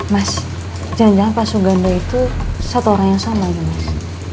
mas jangan jangan pak sugando itu satu orang yang sama gitu mas